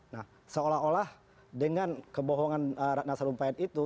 nah seolah olah dengan kebohongan ratna sarumpait itu